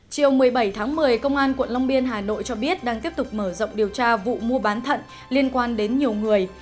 chiều một mươi bảy tháng một mươi công an quận long biên hà nội cho biết đang tiếp tục mở rộng điều tra vụ mua bán thận liên quan đến nhiều người